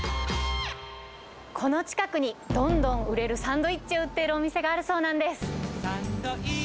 この近くに、どんどん売れるサンドイッチを売っているお店があるそうなんです。